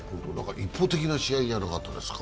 一方的な試合じゃなかったですか？